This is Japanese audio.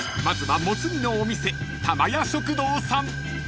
［まずはもつ煮のお店たま家食堂さん］